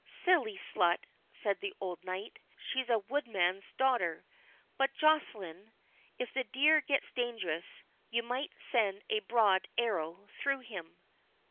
"Silly slut," said the old knight—"She a woodman's daughter!—But, Joceline, if the deer gets dangerous, you must send a broad arrow through him."